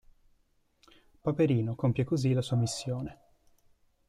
Paperino compie così la sua missione.